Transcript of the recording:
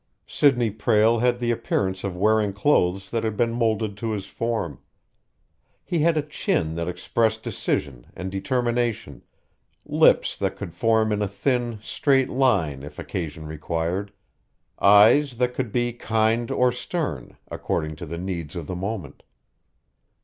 Sidney Prale had the appearance of wearing clothes that had been molded to his form. He had a chin that expressed decision and determination, lips that could form in a thin, straight line if occasion required, eyes that could be kind or stern, according to the needs of the moment.